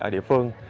ở địa phương